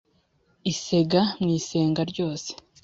isega mu isenga ryose